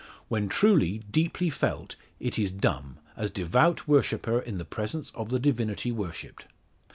When truly, deeply, felt it is dumb, as devout worshipper in the presence of the divinity worshipped.